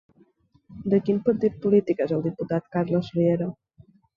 De quin partit polític és el diputat Carles Riera?